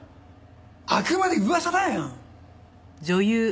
あくまで噂だよ！